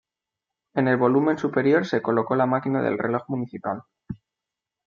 En el volumen superior se colocó la máquina del Reloj Municipal.